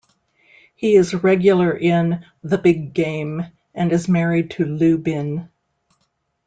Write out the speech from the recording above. He is a regular in "The Big Game" and is married to Lu Binh.